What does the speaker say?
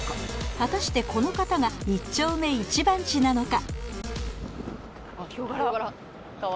果たしてこの方が一丁目一番地なのか？